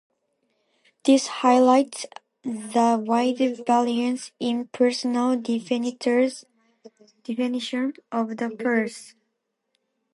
This highlights the wide variance in personal definitions of the phrase.